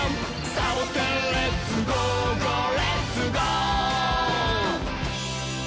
「サボテンレッツゴー！ゴーレッツゴー！」